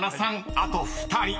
あと２人］